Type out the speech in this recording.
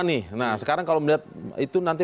nih nah sekarang kalau melihat itu nanti